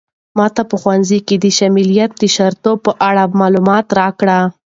ماته په ښوونځي کې د شاملېدو د شرایطو په اړه معلومات راکړه.